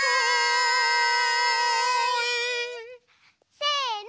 せの。